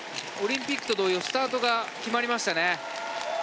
オリンピックと同様スタートが決まりましたね。